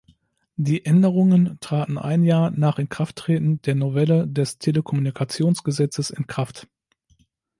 Die Änderungen traten ein Jahr nach Inkrafttreten der Novelle des Telekommunikationsgesetzes in Kraft.